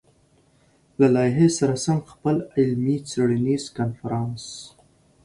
له لايحې سره سم خپل علمي-څېړنيز کنفرانس